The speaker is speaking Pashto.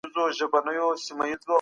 یو بل کس ته یې هم وښایئ.